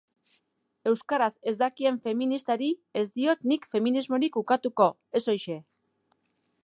Euskaraz ez dakien feministari ez diot nik feminismorik ukatuko, ez horixe.